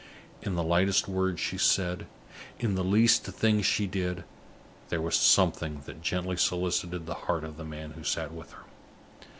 In the lightest word she said, in the least thing she did, there was something that gently solicited the heart of the man who sat with her.